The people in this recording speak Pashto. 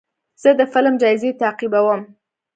زه د فلم جایزې تعقیبوم.